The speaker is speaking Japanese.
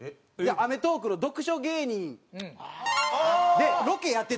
『アメトーーク』の読書芸人でロケやってたのよ